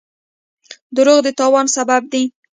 دروغ د تاوان سبب دی.